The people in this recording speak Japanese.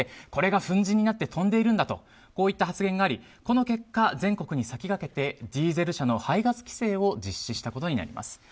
これが粉じんになって飛んでいるんだという発言がありこの結果、全国に先駆けてディーゼル車の排ガス規制を実施したことになります。